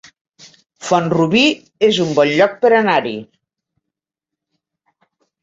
Font-rubí es un bon lloc per anar-hi